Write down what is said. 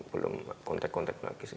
belum kontak kontak lagi sih